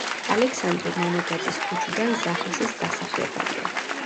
ალექსანდრე მანაგაძის ქუჩიდან ზაჰესის დასახლებამდე.